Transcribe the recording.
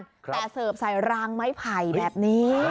แต่เสิร์ฟใส่รางไม้ไผ่แบบนี้